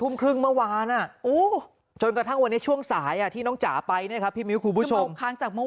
เมื่อวานจนกระทั่งวันช่วงสายที่น้องจ๋าไปพี่มิวคุณคุณผู้ชม